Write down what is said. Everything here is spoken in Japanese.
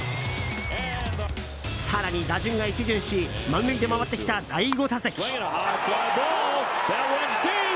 更に、打順が１巡し満塁で回ってきた第５打席。